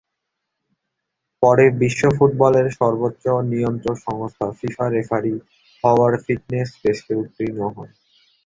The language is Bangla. পরে বিশ্ব ফুটবলের সর্বোচ্চ নিয়ন্ত্রক সংস্থা ফিফা রেফারি হওয়ার ফিটনেস টেস্টে উত্তীর্ণ হন।